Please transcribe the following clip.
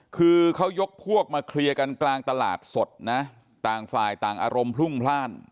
คือเขายกพวกมาเคลียร์กันกลางตลาดสดนะต่างฝ่ายต่างอารมณ์พรุ่งพลาด